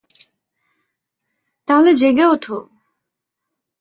তাহলে জেগে ওঠো।